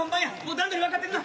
段取り分かってるな。